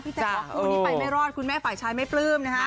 พี่แท้บอกว่าครูนี้ไปไม่รอดคุณแม่ฝ่ายชายไม่ปลื้ม